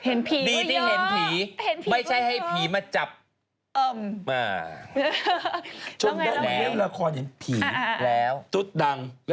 โอ๊ยเห็นผีเยอะ